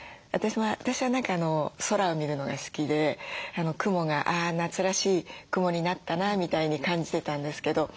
私は何か空を見るのが好きで雲が「あ夏らしい雲になったな」みたいに感じてたんですけど。